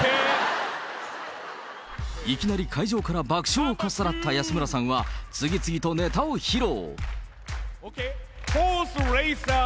いきなり会場から爆笑をかっさらった安村さんは、次々とネタを披露。